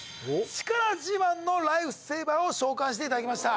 力自慢のライフセイバーを召喚していただきました。